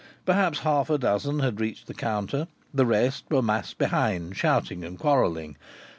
Perhaps half a dozen had reached the counter; the rest were massed behind, shouting and quarrelling.